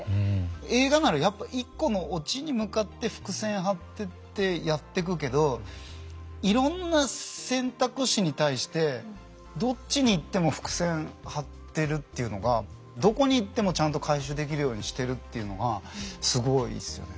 映画ならやっぱ一個のオチに向かって伏線張ってってやってくけどいろんな選択肢に対してどっちに行っても伏線張ってるっていうのがどこに行ってもちゃんと回収できるようにしてるっていうのがすごいっすよね。